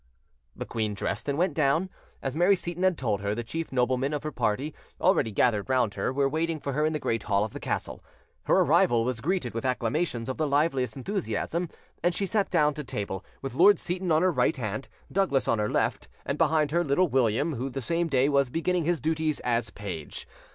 The queen dressed and went down. As Mary Seyton had told her, the chief noblemen of her party, already gathered round her, were waiting for her in the great hall of the castle. Her arrival was greeted with acclamations of the liveliest enthusiasm, and she sat down to table, with Lord Seyton on her right hand, Douglas on her left, and behind her Little William, who the same day was beginning his duties as page.